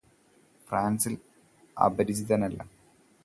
ഫ്രാന്സില് അപരിചിതനല്ല